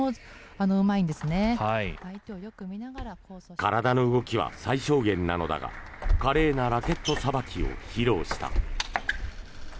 体の動きは最小限なのだが華麗なラケットさばきを披露した。